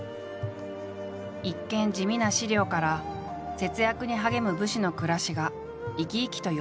一見地味な史料から節約に励む武士の暮らしが生き生きとよみがえる。